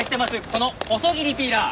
この細切りピーラー。